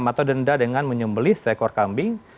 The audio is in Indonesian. atau denda dengan menyembelih seekor kambing